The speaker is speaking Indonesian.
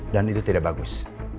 dan itu tidak bagus